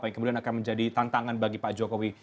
yang kemudian akan menjadi tantangan bagi pak jokowi